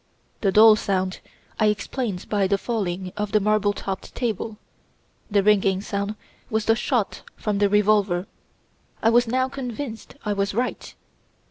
The dull sound I explained by the falling of the marble topped table; the ringing sound was the shot from the revolver. I was now convinced I was right.